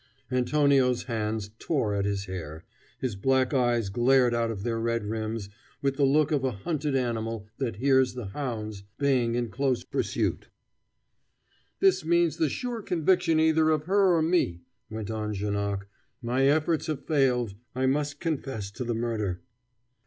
Antonio's hands tore at his hair, his black eyes glared out of their red rims with the look of a hunted animal that hears the hounds baying in close pursuit. "This means the sure conviction either of her or me," went on Janoc. "My efforts have failed I must confess to the murder."